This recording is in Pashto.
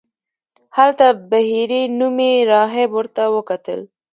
هلته بهیري نومې راهب ورته وکتل.